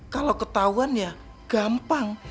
kalau ketahuan ya gampang